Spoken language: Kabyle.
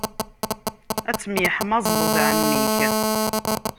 Ad temyeḥmaẓeḍ d ɛemmi-k.